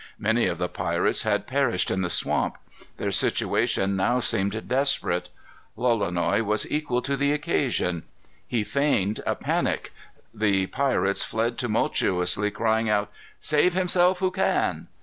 Many of the pirates had perished in the swamp. Their situation now seemed desperate. Lolonois was equal to the occasion. He feigned a panic. The pirates fled tumultuously, crying out, "Save himself who can."